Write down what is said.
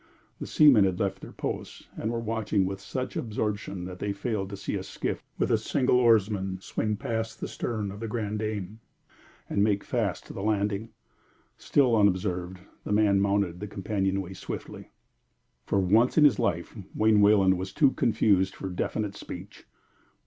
The seamen had left their posts, and were watching with such absorption that they failed to see a skiff with a single oarsman swing past the stern of The Grande Dame and make fast to the landing. Still unobserved, the man mounted the companionway swiftly. For once in his life Wayne Wayland was too confused for definite speech.